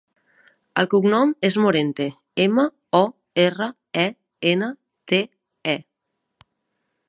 El cognom és Morente: ema, o, erra, e, ena, te, e.